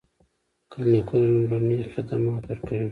کلینیکونه لومړني خدمات ورکوي